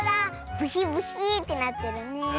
ブヒブヒーってなってるね。